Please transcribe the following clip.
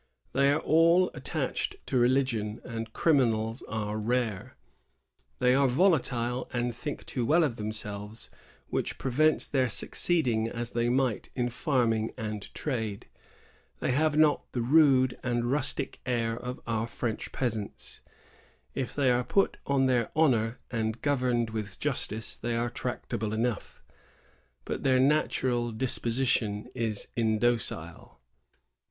They are all attached to religion, and criminals are rare. They are vola 1 Lft Ilonun, II. Bl (ed. 1700). 192 MORALS AND MANNERS. [1749. tile, and think too well of themselves, which prevents their succeeding as they might in fanning and trade. They have not the rude and rustic air of our French peasants. If they are put on their honor and gov erned with justice, they are tractable enough; but their natural disposition is indocile."